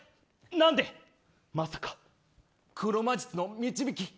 なんで、まさか黒魔術の導き。